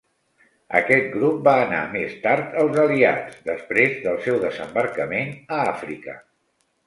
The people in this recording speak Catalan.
Aquest "grup" va anar més tard als Aliats després del seu desembarcament a Àfrica.